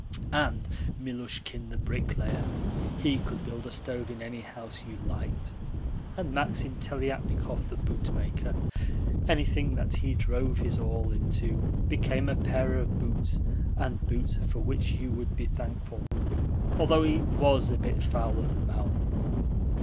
"And Milushkin, the bricklayer! He could build a stove in any house you liked! And Maksim Teliatnikov, the bootmaker! Anything that he drove his awl into became a pair of boots and boots for which you would be thankful, although he WAS a bit foul of the mouth.